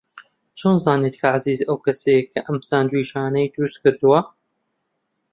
چۆن زانیت کە عەزیز ئەو کەسەیە کە ئەم ساندویچانەی دروست کردووە؟